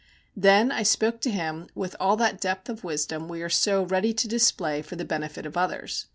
Then I spoke to him with all that depth of wisdom we are so ready to display for the benefit of others.